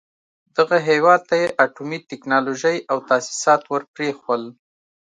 دغه هېواد ته يې اټومي ټکنالوژۍ او تاسيسات ور پرېښول.